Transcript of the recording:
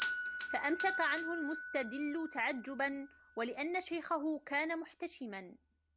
فَأَمْسَكَ عَنْهُ الْمُسْتَدِلُّ تَعَجُّبًا ؛ وَلِأَنَّ شَيْخَهُ كَانَ مُحْتَشِمًا